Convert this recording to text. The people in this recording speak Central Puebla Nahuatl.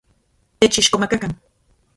Techixkomakakan.